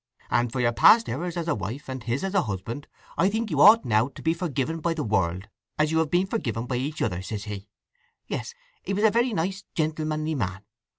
And for your past errors as a wife, and his as a husband, I think you ought now to be forgiven by the world, as you have forgiven each other,' says he. Yes; he was a very nice, gentlemanly man.